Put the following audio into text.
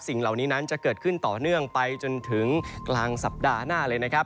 สิ่งเหล่านี้นั้นจะเกิดขึ้นต่อเนื่องไปจนถึงกลางสัปดาห์หน้าเลยนะครับ